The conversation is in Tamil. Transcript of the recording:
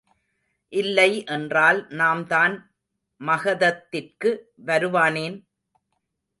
இல்லை என்றால் நாம்தான் மகதத்திற்கு வருவானேன்?